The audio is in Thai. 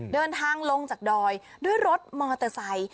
เดินทางลงจากดอยด้วยรถมอเตอร์ไซค์